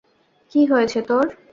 কি হয়েছে তোর?